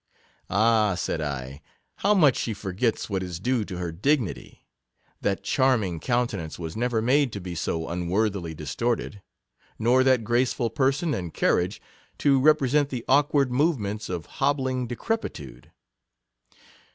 Ah ! said I, how much she forgets what is due to her dignity. That charming counte nance was never made to be so unworthily distorted ; nor that graceful person and car riage to represent the awkward movements of hobbling decrepitude.